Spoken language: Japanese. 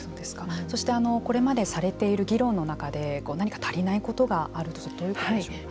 そしてこれまでされている議論の中で何か足りないことがあるとするとどういうことでしょうか。